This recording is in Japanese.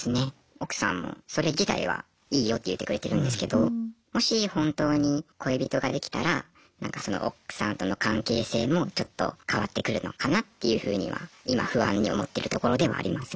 奥さんもそれ自体はいいよって言ってくれてるんですけどもし本当に恋人ができたらなんかその奥さんとの関係性もちょっと変わってくるのかなっていうふうには今不安に思ってるところでもありますね。